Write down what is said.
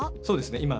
そうですね